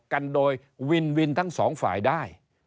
กันโดยวินวินทั้งสองฝ่ายได้